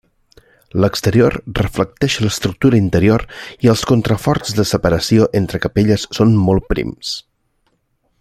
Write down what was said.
L'exterior reflecteix l'estructura interior i els contraforts de separació entre capelles són molt prims.